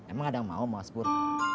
emang ada yang mau mas bur